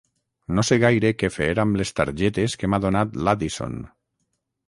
No sé gaire què fer amb les targetes que m'ha donat l'Addison.